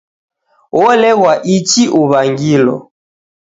Wolegha ichi uw'angilo